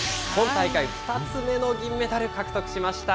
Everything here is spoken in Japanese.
今大会２つ目の銀メダル獲得しま